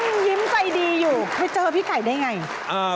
นั่งยิ้มใส่ดีอยู่เคยเจอพี่ไก่ได้อย่างไร